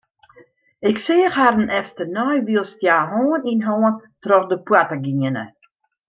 Ik seach harren efternei wylst hja hân yn hân troch de poarte giene.